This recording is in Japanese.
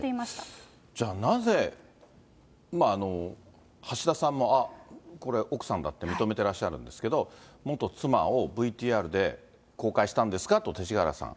じゃあ、なぜ、橋田さんも、あっ、これ、奥さんだって認めてらっしゃるんですけど、元妻をＶＴＲで公開したんですかと、勅使河原さん。